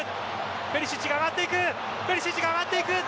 ペリシッチが上がっていく！